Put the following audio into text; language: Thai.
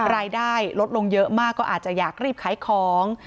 รายได้ลดลงเยอะมากก็อาจจะอยากรีบขายของ